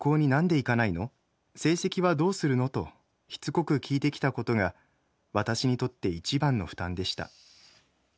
成績はどうするの？』としつこく聞いてきたことが私にとって一番の負担でした。